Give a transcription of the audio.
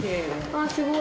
あっすごい。